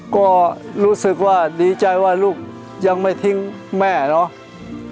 ก็รู้สึกว่าดีใจว่าลูกยังไม่ทิ้งแม่เนาะ